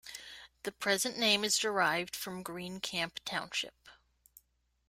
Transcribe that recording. The present name is derived from Green Camp Township.